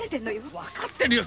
分かってるよ！